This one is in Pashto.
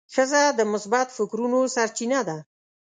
ښځه د مثبت فکرونو سرچینه ده.